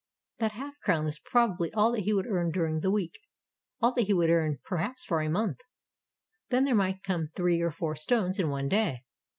That halfcrown was probably all that he would earn during the week, — all that he would earn perhaps for a month. Then there might come three or four stones in one day.